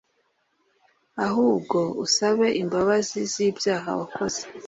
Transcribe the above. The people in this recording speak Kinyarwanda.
ahubwo usabe imbabazi z'ibyaha wakoze